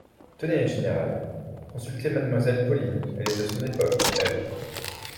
Tenez, général ! consultez mademoiselle Pauline, elle est de son époque, elle.